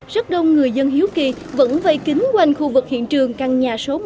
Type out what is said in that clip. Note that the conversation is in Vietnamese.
rất đông người dân hiếu kỳ vẫn vây kính quanh khu vực hiện trường căn nhà số một